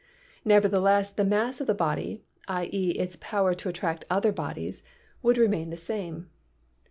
Nevertheless the mass of the body — i.e., its power to attract other bodies — would remain the same.